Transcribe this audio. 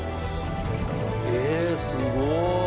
えすごい！